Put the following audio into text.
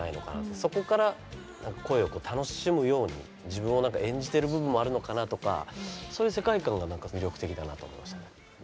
そこから恋を楽しむように自分を演じてる部分もあるのかなとかそういう世界観がなんか魅力的だなと思いましたね。